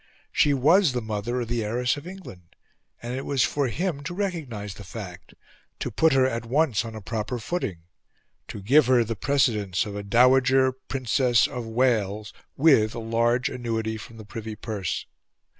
She was the mother of the heiress of England; and it was for him to recognise the fact to put her at once upon a proper footing to give her the precedence of a dowager Princess of Wales, with a large annuity from the privy purse.